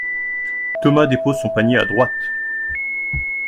Thomas dépose son panier à droite.